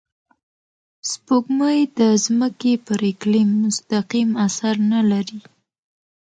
سپوږمۍ د ځمکې پر اقلیم مستقیم اثر نه لري